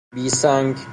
بی سنگ